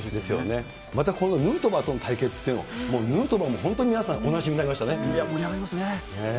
張また、ヌートバーとの対決というのも、もうヌートバーも本当に皆さん、盛り上がりましたね。